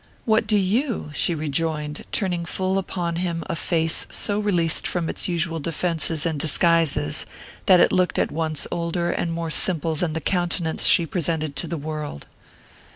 "What do you?" she rejoined, turning full upon him a face so released from its usual defences and disguises that it looked at once older and more simple than the countenance she presented to the world.